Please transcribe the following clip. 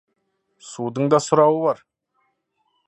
Судың да сұрауы бар.